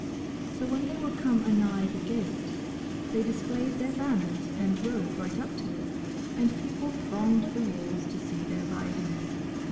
So when they were come anigh the gate, they displayed their banners and rode right up to it; and people thronged the walls to see their riding.